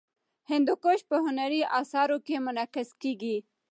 هندوکش په هنري اثارو کې منعکس کېږي.